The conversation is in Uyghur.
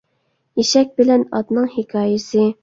ئېشەك بىلەن ئاتنىڭ ھېكايىسى